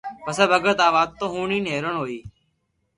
پسي ڀگت آ واتون ھوڻين حيرون ھوئي